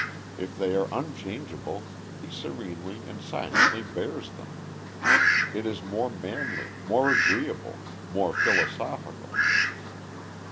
If they are unchangeable he serenely and silently bears them. It is more manly, more agreeable, more philosophical.